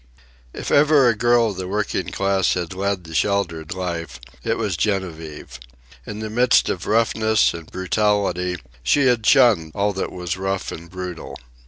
If ever a girl of the working class had led the sheltered life, it was Genevieve. In the midst of roughness and brutality, she had shunned all that was rough and brutal.